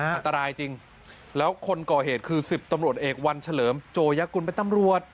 อันตรายจริงแล้วคนก่อเหตุคือ๑๐ตำรวจเอกวันเฉลิมโจยกุลเป็นตำรวจ